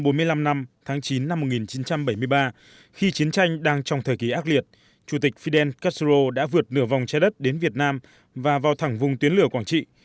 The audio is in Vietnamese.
ngày bốn mươi năm năm tháng chín năm một nghìn chín trăm bảy mươi ba khi chiến tranh đang trong thời kỳ ác liệt chủ tịch fidel castro đã vượt nửa vòng trái đất đến việt nam và vào thẳng vùng tuyến lửa quảng trị